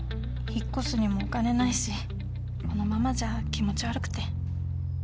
引っ越すにもお金ないしこのままじゃ気持ち悪くて。